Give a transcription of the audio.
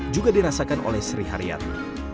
juga dirasakan oleh sri haryati